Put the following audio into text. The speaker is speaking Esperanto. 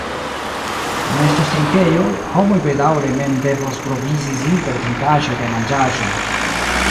Ne estos trinkejo, homoj bedaŭre mem devos provizi sin per trinkaĵoj kaj manĝaĵoj.